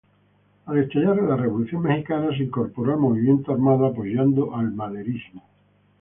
Al estallar la Revolución mexicana se incorporó al movimiento armado apoyando el maderismo.